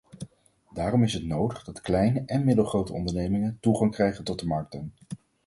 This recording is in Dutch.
Daarom is het nodig dat kleine en middelgrote ondernemingen toegang krijgen tot de markten.